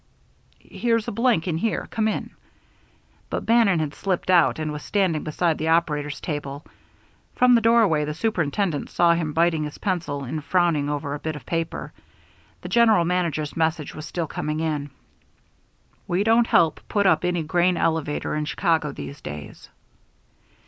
"Here's a blank, in here. Come in." But Bannon had slipped out and was standing beside the operator's table. From the doorway the superintendent saw him biting his pencil and frowning over a bit of paper. The general manager's message was still coming in. _We don't help put up any grain elevator in Chicago these days.